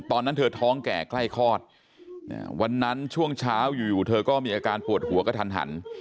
ตอนนั้นเธอท้องแก่ใกล้คลอดวันนั้นช่วงเช้าอยู่เธอก็มีอาการปวดหัวกระทัน